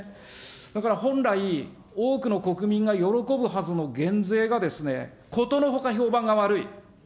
だから本来、多くの国民が喜ぶはずの減税がですね、ことのほか評判が悪い。